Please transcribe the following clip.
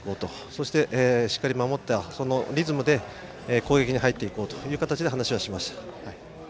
そして、しっかり守ったそのリズムで攻撃に入っていこうと話しました。